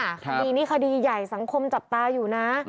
คดีนี้คดีใหญ่สังคมจับตาอยู่นะ